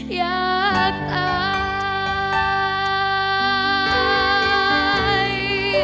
อยากตาย